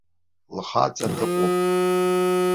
Лхаҵа дыҟоуп.